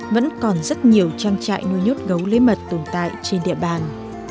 vẫn còn rất nhiều trang trại nuôi nhốt gấu lấy mật tồn tại trên địa bàn